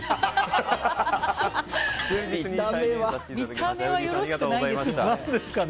見た目はよろしくないですよ。